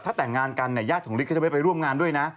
ถ้าแต่งงานกันญาติของริสต์ก็จะไปร่วมงานด้วยนะ